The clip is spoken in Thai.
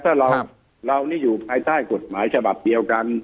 ถ้าเรานี่อยู่ภายใต้กฎหมายฉบับเดียวกัน